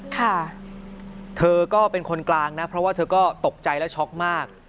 เธอก็เป็นคนกลางนะเพราะว่าเธอก็ตกใจและช็อกมาก